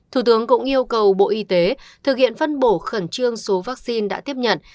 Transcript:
thủ tướng cũng yêu cầu bộ y tế thực hiện phân bổ khẩn trương số vaccine đã tiếp nhận